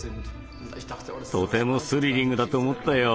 とてもスリリングだと思ったよ！